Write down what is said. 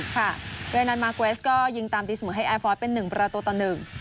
เพราะฉะนั้นมาร์กเวสต์ก็ยิงตามตีเสมอให้แอร์ฟอสเป็น๑ประตูต่อหนึ่ง